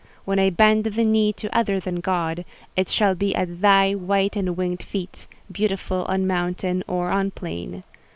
When I bend the knee to other than God, it shall be at thy white and winged feet, beautiful on mountain or on plain.